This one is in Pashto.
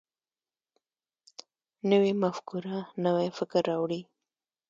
نوې مفکوره نوی فکر راوړي